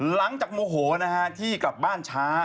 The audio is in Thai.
โมโหนะฮะที่กลับบ้านช้า